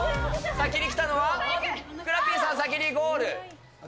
先に来たのは、ふくらＰさん、先にゴール。